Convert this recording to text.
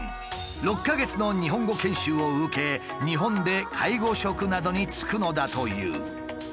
６か月の日本語研修を受け日本で介護職などに就くのだという。